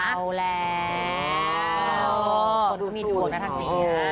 เอาแล้วดูมีดวนกระทั่งนี้